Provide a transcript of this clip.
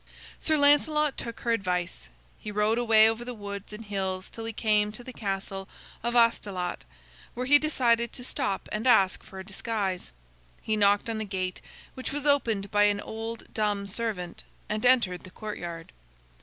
Sir Lancelot took her advice. He rode away over the woods and hills till he came to the castle of Astolat, where he decided to stop and ask for a disguise. He knocked on the gate, which was opened by an old dumb servant, and entered the courtyard.